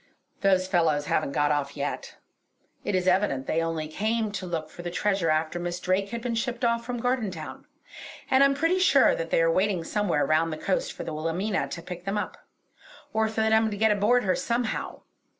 "Those fellows haven't got off yet. It is evident that they only came to look for the treasure after Miss Drake had been shipped off from Gardentown. And I'm pretty sure that they are waiting somewhere round the coast for the Wilhelmina to pick them up; or for them to get aboard her somehow.